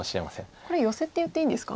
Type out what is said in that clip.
これヨセって言っていいんですか？